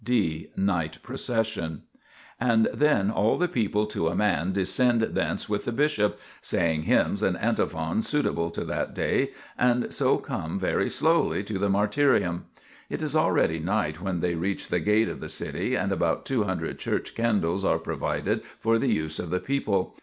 [d] Night Procession. And then all the people to a man descend thence with the bishop, saying hymns and antiphons suitable to that day, and so come very slowly to the mar tyrium. It is already night when they reach the gate of the city, and about two hundred church candles are provided for the use of the people.